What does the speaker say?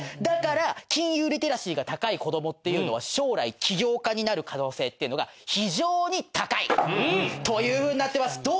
だから金融リテラシーが高い子どもっていうのは将来起業家になる可能性っていうのが非常に高いという風になってます。